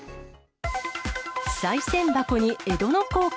さい銭箱に江戸の硬貨。